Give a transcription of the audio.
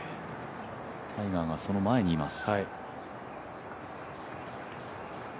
タイガーがその前にいます。